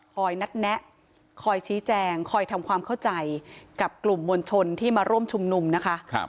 นัดแนะคอยชี้แจงคอยทำความเข้าใจกับกลุ่มมวลชนที่มาร่วมชุมนุมนะคะ